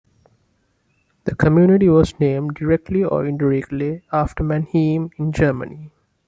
The community was named, directly or indirectly, after Mannheim, in Germany.